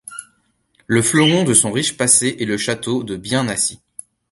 Le fleuron de son riche passé est le château de Bien Assis.